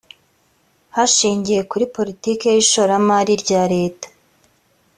hashingiwe kuri politiki y ishoramari rya leta